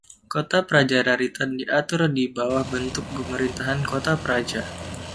Kota Praja Raritan diatur di bawah bentuk pemerintahan Kota Praja.